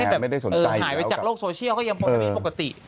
แล้วพูดเรื่องการเนี้ยเป็นโลกโซเชียลคงอย่างปกติ